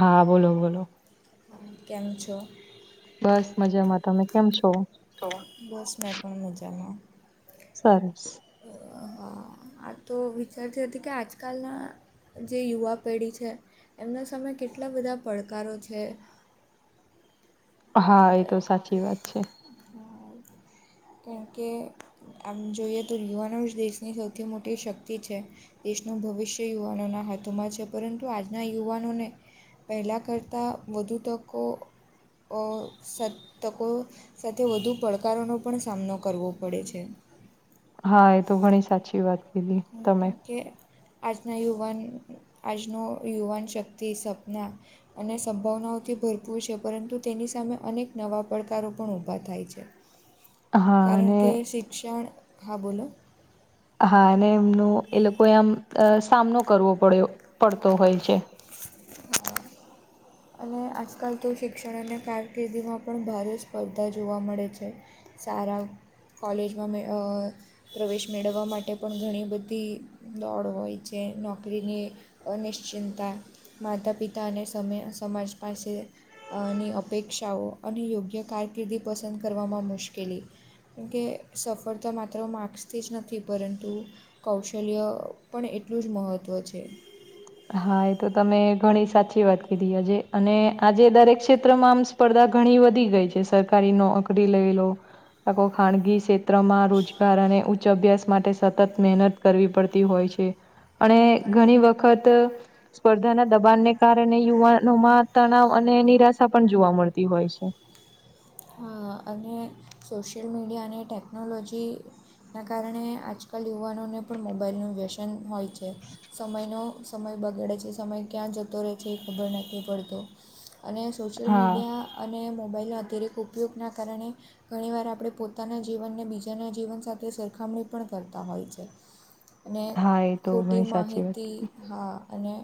હા બોલો બોલો [unintelligible] કેમ છો? બસ મજામાં. તમે કેમ છો? તો બસ મેં પણ મજામાં. સરસ. હા આ તો વિચારતી હતી કે આજકાલના જે યુવા પેઢી છે એમના સામે કેટલા બધા પડકારો છે. હા એ તો સાચી વાત છે. કારણ કે આમ જોઈએ તો યુવાનો જ દેશની સૌથી મોટી શક્તિ છે. દેશનું ભવિષ્ય યુવાનોના હાથોમાં છે પરંતુ આજના યુવાનોને પહેલાં કરતાં વધુ તકો અ સ તકો સાથે વધુ પડકારોનો પણ સામનો કરવો પડે છે. હા એ તો ઘણી સાચી વાત કીધી [unintelligible] તમે કેમ કે આજના યુવાન આજનો યુવાન શક્તિ સપના અને સંભાવનાઓથી ભરપૂર છે પરંતુ તેની સામે અનેક નવા પડકારો પણ ઊભા થાય છે. હા કારણ અને કે શિક્ષણ, હા બોલો. હા અને એમનો એ લોકોએ આમ સામનો કરવો પડ્યો, પડતો હોય છે. અને આજકાલ તો શિક્ષણ અને કારકિર્દીમાં પણ ભારે સ્પર્ધા જોવા મળે છે. સારા કોલેજમાં મે અ પ્રવેશ મેળવવા માટે પણ ઘણી બધી દોડ હોય છે. નોકરીની અનિશ્ચિંતા, માતા-પિતા અને સમય સમાજ પાસે અને અપેક્ષાઓ અને યોગ્ય કારકિર્દી પસંદ કરવામાં મુશ્કેલી કેમ કે સફળતા માત્ર માર્ક્સથી જ નથી પરંતુ કૌશલ્ય પણ એટલું જ મહત્ત્વ છે. હા એ તો તમે ઘણી સાચી વાત કીધી આજે અને આજે દરેક ક્ષેત્રમાં આમ સ્ પર્ધા ઘણી વધી ગઈ છે. સરકારી નોકરી લઈ લો. આ કોક ખાનગી ક્ષે ત્ર માં રોજગાર અને ઉચ્ચ અભ્યાસ માટે સતત મહેનત કરવી પડતી હોય છે. અને ઘણી વખત સ્પર્ધાના દબાણને કારણે યુવાનોમાં તણાવ અને નિરાશા પણ જોવા મળતી હોય છે. હા અને સોશિયલ મીડિયા અને ટેકનોલોજી ના કારણે આજકાલ યુવાનોને પણ મોબાઈલનું વ્યસન હોય છે. સમયનો સમય બગડે છે. સમય ક્યાં જતો રહે છે એ ખબર નથી પડતો અને સોશિયલ હા મીડિયા અને મોબાઈલના અધિરેક ઉપયોગના કારણે ઘણીવાર આપણે પોતાના જીવનને બીજાના જીવન સાથે સરખામણી પણ કરતા હોય છે. અને હા એ તો ખોટી ઘણી સાચી વાત માહિતી કીધી. હા અને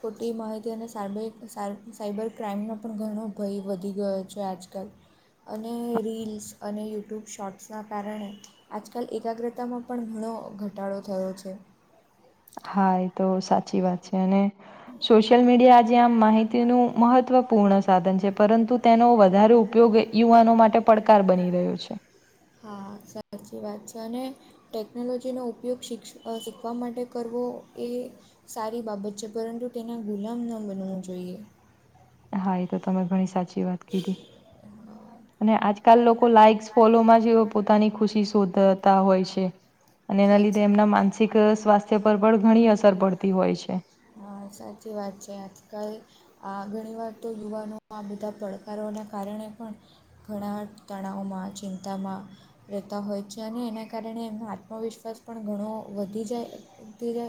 ખોટી માહિતી અને સારમય સાર સાયબર ક્રાઈમનો પણ ઘણો ભય વધી ગયો છે આજકાલ અને રીલ્સ અને યુટ્યુબ શોર્ટ્સના કારણે આજકાલ એકાગ્રતામાં પણ ઘણો ઘટાડો થયો છે. હા એ તો સાચી વાત છે અને સોશિયલ મીડિયા આ જે આમ માહિતીનુ મહત્વપૂર્ણ સાધન છે પરંતુ તેનો વધારે ઉપયોગ યુવાનો માટે પડકાર બની રહ્યો છે. હા, સાચી વાત છે અને ટેકનોલોજીનો ઉપયોગ શિક્ષ શીખવા માટે કરવો એ સારી બાબત છે પરંતુ તેના ગુલામ ન બનવું જોઈએ. હા એ તો તમે ઘણી સાચી વાત કીધી અને આજકાલ લોકો લાઈકસ ફોલો માં જે પોતાની ખુશી શોઘે હોય છે અને એના લીધે સાચી એમના વાત માનસિક સ્વા પર પણ ઘણી અસર પડતી હોય છે હ સાચી આજકાલ આ ઘણી વાર તો યુવાનો આ બધા પડકારોના કારણે પણ ઘણા તણાવમાં ચિંતામાં રહેતા હોય છે અને એના કારણે એમનો આત્મવિશ્વાસ પણ ઘણો વધી જાયી જાય તે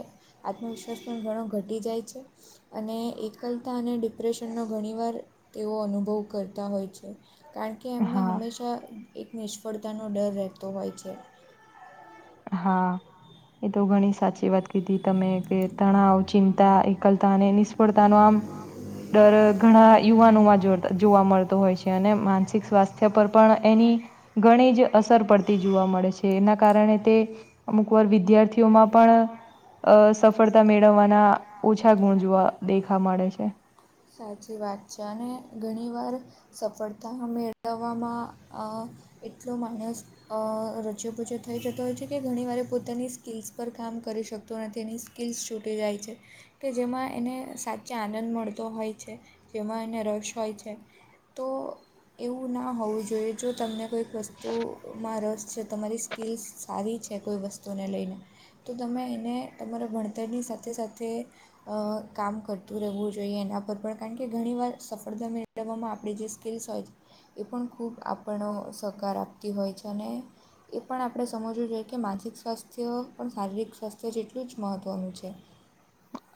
આત્મવિશ્વાસ પણ ઘણો ઘટી જાય છે અને એકલતા અને ડિપ્રેશનનો ઘણીવાર તેઓ અનુભવ કરતા હોય છે કારણ કે એમને હા હંમેશા એક નિષ્ફળતાનો ડર રહેતો હોય છે હા એ તો ઘણી સાચી વાત કીધી તમે કે તણાવ ચિંતા એકતા એકલતા અને નિષ્ફળતાનો આમ ડર ઘણા યુવાનોમાં જોતા જોવા મળતો હોય છે અને માનસિક સ્વાસ્થ્ય પર પણ એની ઘણી જ અસર પડતી જોવા મળે છે એના કારણે તે અમુક વાર વિદ્યાર્થીઓમાં પણ અ સફળતા મેળવવાના ઓછા ગુણ જોવા દેખા મળે છે સાચી વાત છે અને ઘણી વાર સફળતા મેળવવામાં આ એટલો માણસ રચ્યોપૂચો થઈ જતો હોય છે કે ઘણીવાર પોતાની સ્કિલ્સ પર કામ કરી શકતો નથી એની સ્કીલ્સ છૂટી જાય છે કે જેમાં એને સાચે આનંદ મળશે તો હોય છે જેમાં એને રસ હોય છે તો એવું ના હોવું જોઈએ જો તમને કોઈક વસ્તુમાં રસ છે તમારી સ્કિલસ સારી છે કોઈ વસ્તુને લઈને તો તમે એને તમારા ભણતરની સાથે સાથે કામ કરતું રહેવું જોઈએ એના પર પણ કારણ કે ઘણી વાર સફળતા મેળવવામાં આપણી જે સ્કીલ્સ હોય છે એ પણ ખૂબ આપણો સહકાર આપતી હોય છે અને એ પણ આપણે સમજવું જોઈએ કે માનસિક સ્વાસ્થ્ય પણ શારીરિક સ્વાસ્થ્ય જેટલું જ મહત્ત્વનું છે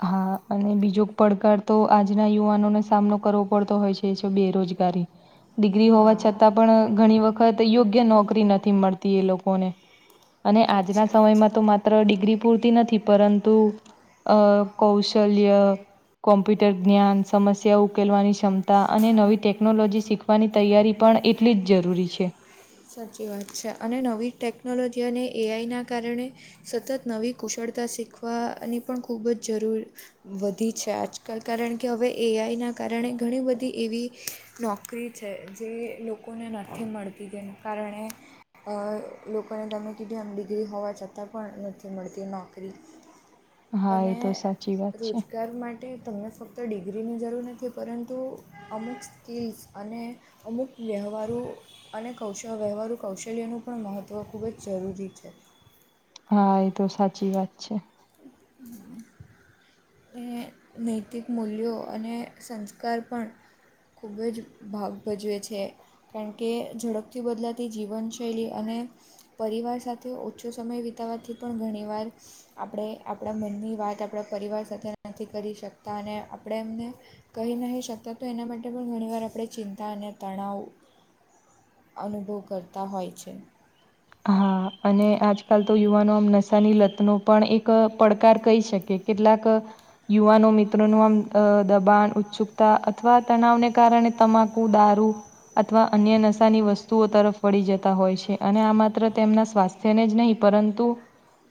હા અને બીજો પડકાર તો આજના યુવાનોને સામનો કરવો પડતો હોય છે એ છે બેરોજગારી ડિગ્રી હોવા હા છતાં પણ ઘણી વખત હવે તો યોગ્ય નોકરી નથી મળતી એ લોકોને અને આજના સાચી વાત સમયમાં તો છે માત્ર ડિગ્રી પૂરતી નથી પરંતુ કૌશ શલ્ય કોમ્પ્યુટર જ્ઞાન સમસ્યા ઉકેલવાની ક્ષમતા હતા અને નવી ટેકનોલોજી શીખવાની તૈયારી પણ એટલી જ જરૂરી છે સાચી વાત છે અને નવી ટેકનોલોજી અને એઆઈના કારણે સતત નવી કુશળતા શીખવાની પણ ખૂબ જ જરૂર વધી છે આજકાલ કારણ કે હવે એઆઈના કારણે ઘણી બધી એવી નોકરી છે જે લોકોને નથી મળતી તે કારણે લોકોને તમે કીધી આમ ડિગ્રી હોવા છતાં પણ નથી મળતી નોકરી હા એ અને તો સાચી વાત છે રોજગાર માટે માટે તમને ફક્ત ડિગ્રીની જરૂર નથી પરંતુ અમુક સ્કીલ્સ અને અમુક વ્યવહારો અને કૌશલ વ્યવહારું કૌશલ્યનું પણ મહત્ત્વ ખૂબ જ જરૂરી છે હા એ તો સાચી વાત છે [inaudible] ને નૈતિક મૂલ્યો અને સંસ્કાર પણ ખૂબ જ ભાગ ભજવે છે કારણ કે ઝડપથી બદલાતી જીવનશૈલી અને પરિવાર સાથે ઓછો સમય વિતાવવાથી પણ ધણી વાર આપણે આપણા મનની વાત આપણા પરિવાર સાથે નથી કરી શકતા અને આપણે એમને કહી નહીં શકતા તો એના માટે પણ ઘણી વાર આપણે ચિંતા અને તણાવ અનુભવ કરતા હોય છે હા અને આજકાલ તો યુવાનો આમ નશાની લતનો પણ એક પડકાર કહી શકે કેટલાક યુવાનો મિત્રોનું આમ દબાણ ઉત્સુકતા અથવા તણાવને કારણે તમાકુ દારૂ અથવા અન્ય નશાની વસ્તુઓ તરફ વળી જતા હોય છે અને આમાં મા તેમના સ્વાસ્થ્યને જ નહીં પરંતુ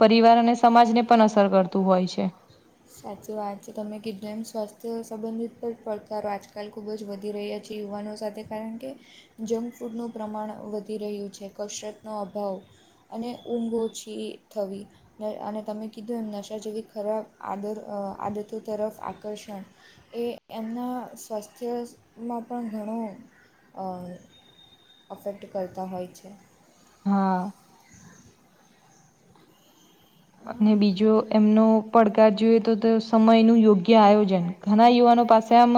પરિવાર અને સમાજને પણ અસર કરતું હોય છે સાચી વાત છે તમે કિધુ એમ સ્વાસ્થ્ય સંબંધિત પણ પડકારો આજકાલ ખૂબ જ વધી રહ્યા છેએ યુવાનો સાથે કારણ કે જંક ફૂડનું પ્રમાણ વધી રહ્યું છે કસરતનો અભાવ અને ઊંઘ ઓછી થવી અને તમે કીધું એમ નશા જેવી ખરાબ આદર આદતો તરફ આકર્ષણ એ એમના સ્વાસ્થ્યમાં પણ ઘણું અ અફેક્ટ કરતા હોય છે હા અને હા બીજો એમનો પડકાર જોઈએ તો સમય નું યોગ્ય આયોજન ઘણા યુવાનો પાસે આમ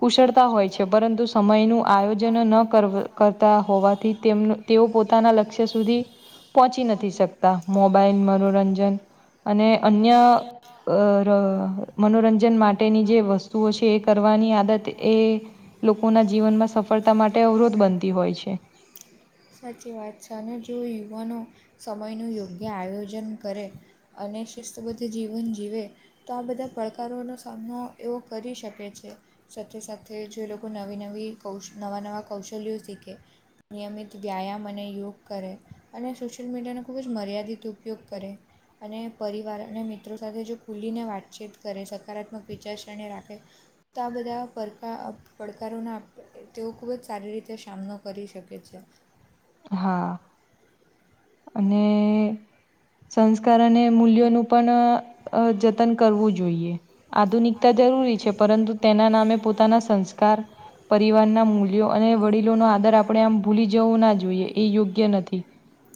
કુશળતા હોય છે પરંતુ સમય નું આયોજન ન કરવા કરતા હોવાથી તેમનો તેઓ પોતાના લક્ષ્ય સુધી પહોંચી નથી શકતા મોબાઈલ મનોરંજન અને અન્ય [unintelligible] મનોરંજન માટેની જે વસ્તુઓ છે કરવાની આદત એ લોકોના જીવનમાં સફળ સફળતા માટે અવરોધ બનતી હોય સાચી વાત છે અને જો યુવાનો સમયનું યોગ્ય આયોજન કરે અને શિસ્તબદ્ધ જીવન જીવે તો આ બધા પડકારોનો સામનો એવો કરી શકે છે સાથે સાથે જે લોકો નવી નવી કૌશલ નવા નવા કૌશલ્યો શીખે નિયમિત વ્યાયામ અને યોગ કરે અને સોશિયલ મીડિયાનો ખૂબ જ મર્યાદિત ઉપયોગ કરે અને પરિવાર અને મિત્રો સાથે જો ખુલીને વાતચીત કરે સકારાત્મક વિચારસરણી રાખે તો આ બધા પડ પડકારોનો તેઓ ખૂબ જ સારી રીતે સામનો કરી શકે છે હા અને સંસ્કાર અને મૂલ્યોનું પણ અ જતન કરવું જોઈએ આધુનિકતા જરૂરી છે પરંતુ તેના નામે પોતાના સંસ્કાર પરિવાર ના મૂલ્યો અને વડીલો ન આદર આપડે આમ ભૂલી જવું ના જોઈએ એ યોગ્ય નથી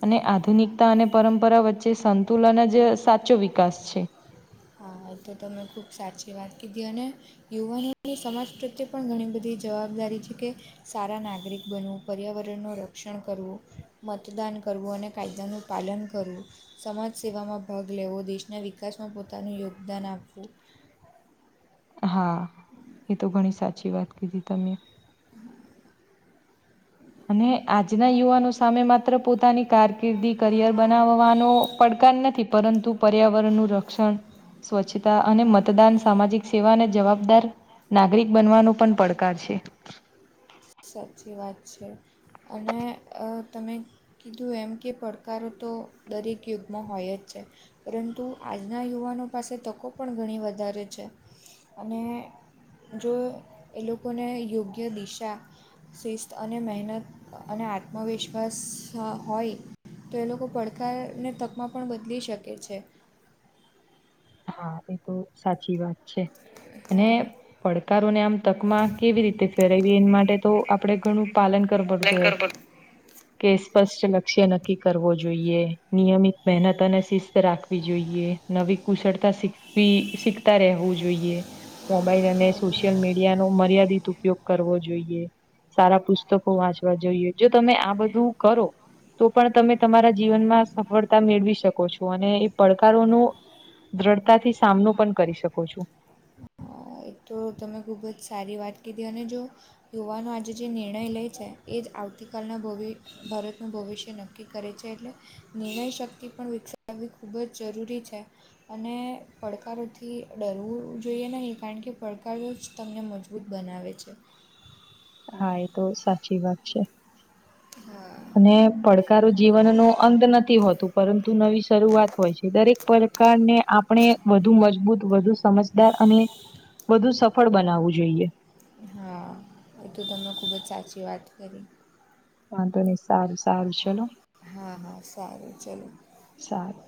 અને આધુનિકતા અને પરંપરા વચ્ચે સંતુલન જ સાચો વિકાસ છે હા એ તો તમે ખુબ સાચી વાત કીધી અને યુવાનોની સમાજ પ્રત્યે પણ ઘણી બધી જવાબદારી છે કે સારા નાગરિક બનવું પર્યાવરણનું રક્ષણ કરવું મતદાન કરવું અને કાયદાનું પાલન કરવું સમાજસેેવામાં ભાગ લેવો દેશના વિકાસમાં પોતાનું યોગદાન આપવું હા એ તો ઘણી સાચી વાત કીધી તમે અને આજના યુવાનો સામે માત્ર પોતાની કરિયર બનાવવાનો નથી પરંતુ પર્યાવરણનું સરક્ષણ સ્વચ્છતા અને મતદાન સામાજિક સેવા અને જવાબદાર નાગરિક બનવાનો પણ પડકાર છે. સાચી વાત છે. અને તમે કીધું એમ કે પડકારો તો દરેક યુગમાં હોય જ છે. પરંતુ આજના યુવાનો પાસે તકો પણ ઘણી વધારે છે. અને જો એ લોકોને યોગ્ય દિશા શિસ્ત મહેનત અને આત્મવિશ્વાસ હોય તો એ લોકો પડકારને તકમાં પણ બદલી શકે છે. હા એ તો સાચી વાત છે. અને હા પડકારોને આમ તકમાં કેવી રીતે ફેરવીએ એ માટે તો આપડે ઘણું પાલન કર પાલન પડતે કરવું કે સ્પષ્ટ લક્ષ્ય નક્કી કરવો જોઈએ નિયમિત મહેનત અને શિસ્ત રાખવી જોઈએ. નવી કુશળતા શીખવી શીખતા રહેવું જોઈએ. મોબાઈલ અને સોશિયલ મીડિયાનો મર્યાદિત ઉપયોગ કરવો જોઈએ. સારા પુસ્તકો વાંચવા જોઈએ. જો તમે આ બધું કરો પણ તમે જીવનમાં સફળતા મેળવી શકો છો. અને એ પડકારોનું દ્રઢતાથી સામનો પણ કરી શકો છો. એક તો તમે ખૂબ જ સારી વાત કીધી અને જો યુવાનો આજે જે નિર્ણય લે છે. એ જ આવતીકાલના ભવિ ભારતનું ભવિષ્ય નક્કી નક્કી કરે છે. એટલે નિર્ણય શક્તિ પણ વિકસાવાવવી ખૂબ જ જરૂરી છે. અને પડકારોથી ડરવું જોઈએ નહીં. કારણ કે પડકારો જ તમને મજબૂત છે. હા એ તો સાચી વાત છે. હા. પડકારો જીવનનો અંત નથી હોતું, પરંતુ નવી શરૂઆત હોય છે. દરેક પડ કારને આપણે વધુ મજબૂત વધુ સમજદાર અને વધુ સફળ બનાવવું જોઈએ. હા એ તો તમે ખૂબ જ સાચી વાત કરી. વાંધો નહી સારું સારું ચલો હા હા સારું ચલો સારું.